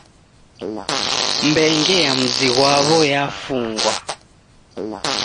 Mbenge ya muzi ghwaw'o yafungwa